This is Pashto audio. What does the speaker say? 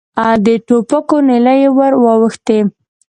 د ټوپکو نلۍ ور واوښتې.